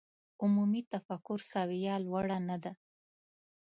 عمومي تفکر سویه لوړه نه ده.